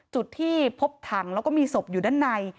จุดที่พบถังแล้วก็มีศพอยู่ด้านใน